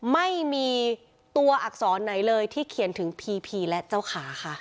ไม่มีตัวอักษรไหนเลยที่เขียนถึงพีพีและเจ้าขาค่ะ